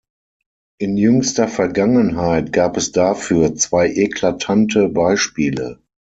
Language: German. In jüngster Vergangenheit gab es dafür zwei eklatante Beispiele.